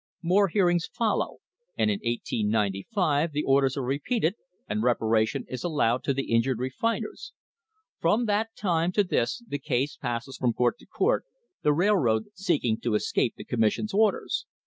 More hearings follow, and in 1895 the orders are repeated and reparation is allowed to the injured refiners. From that time to this the case passes from court to court, the railroad seeking to escape the Commission's orders.